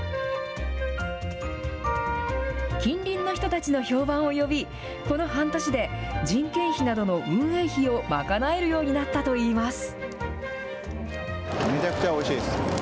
近隣の人たちの評判を呼び、この半年で人件費などの運営費を賄えるようになったといいます。